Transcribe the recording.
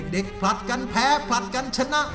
ผลัดกันแพ้ผลัดกันชนะ